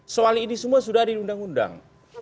soal ini semua sudah diundang undang